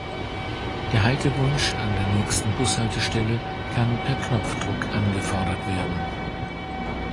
Der Haltewunsch an der nächsten Bushaltestelle kann per Knopfdruck angefordert werden.